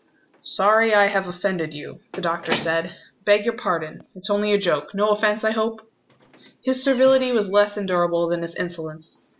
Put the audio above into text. "Sorry I have offended you," the doctor said. "Beg your pardon. It's only a joke. No offence, I hope?" His servility was less endurable than his insolence.